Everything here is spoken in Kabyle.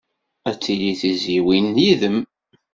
Ad tili d tizzyiwin yid-m.